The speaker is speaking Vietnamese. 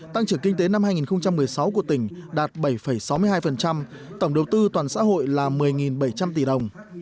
tăng trưởng kinh tế năm hai nghìn một mươi sáu của tỉnh đạt bảy sáu mươi hai tổng đầu tư toàn xã hội là một mươi bảy trăm linh tỷ đồng